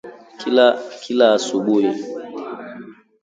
Kila asubuhi